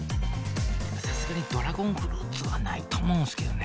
さすがにドラゴンフルーツはないと思うんですけどね。